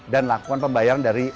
dan lakukan pembayaran dari sid